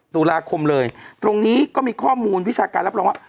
ตุลาคมเลยตรงนี้ก็มีข้อมูลวิชาการรับรองว่า